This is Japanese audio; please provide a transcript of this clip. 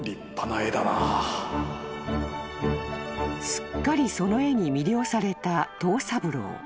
［すっかりその絵に魅了された藤三郎］